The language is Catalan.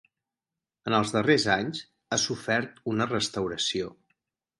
En els darrers anys ha sofert una restauració.